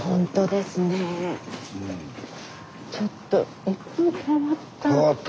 ちょっと一風変わった。